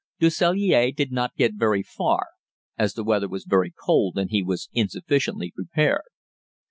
Du Sellier did not get very far, as the weather was very cold and he was insufficiently prepared.